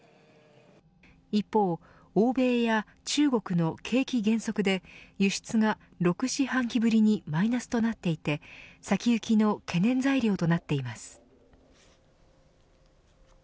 一方、欧米や中国の景気減速で輸出が６四半期ぶりにマイナスとなっていて先行きの懸念材料となっています。